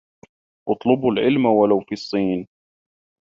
اطلبوا العلم ولو في الصين